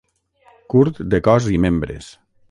Curt de cos i membres.